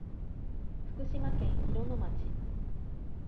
福島県広野町